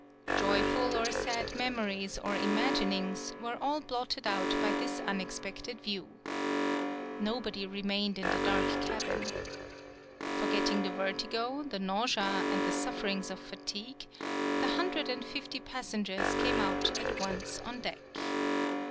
Joyful or sad memories or imaginings were all blotted out by this unexpected view. Nobody remained in the dark cabin. Forgetting the vertigo, the nau sea, and the sufferings of fatigue, the hundred and fifty passengers came out at once on deck.